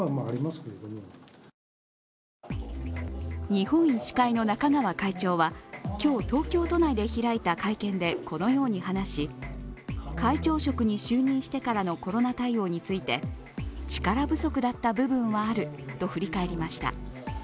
日本医師会の中川会長は今日、東京都内で開いた会見でこのように話し会長職に就任してからのコロナ対応について力不足だった部分はあると振り返りました。